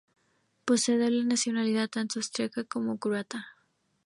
Posee doble nacionalidad tanto austriaca como croata.